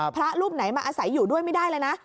พระรูปไหนมาอาศัยอยู่ด้วยไม่ได้เลยนะ